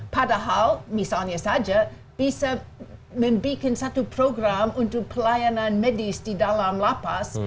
padahal misalnya saja bisa membuat satu program untuk pelayanan medis di dalam lapas